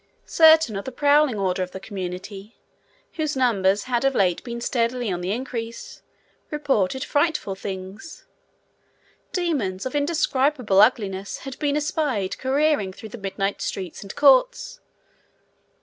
Certain of the prowling order of the community, whose numbers had of late been steadily on the increase, reported frightful things. Demons of indescribable ugliness had been espied careering through the midnight streets and courts.